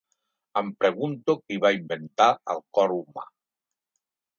Em pregunto qui va inventar el cor humà.